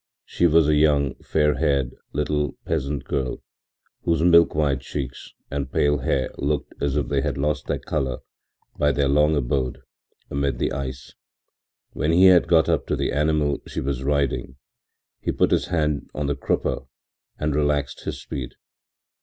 She was a young, fairhaired little peasant girl, whose milk white cheeks and pale hair looked as if they had lost their color by their long abode amid the ice. When he had got up to the animal she was riding he put his hand on the crupper and relaxed his speed.